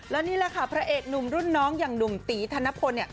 แล้วนี่แหละค่ะพระเอกหนุ่มรุ่นน้องอย่างหนุ่มตีธนพลเนี่ย